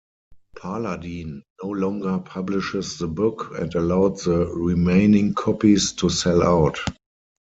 Paladin no longer publishes the book, and allowed the remaining copies to sell out.